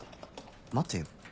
待てよ